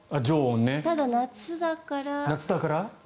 ただ、夏だから。